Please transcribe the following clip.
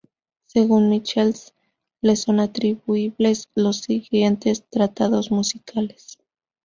Según Michels le son atribuibles los siguientes tratados musicales.